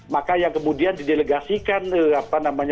maka yang kemudian didelegasikan